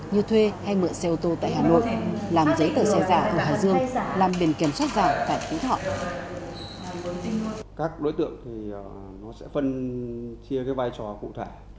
như thuê hay mượn xe ô tô tại hà nội làm giấy tờ xe giả ở hải dương làm biển kiểm soát giả tại phú thọ